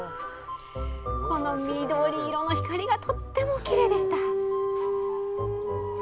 この緑色の光がとってもきれいでした。